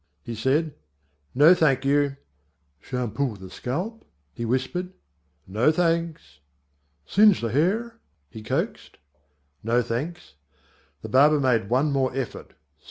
he said. "No thank you." "Shampoo the scalp?" he whispered. "No thanks." "Singe the hair?" he coaxed. "No thanks." The barber made one more effort.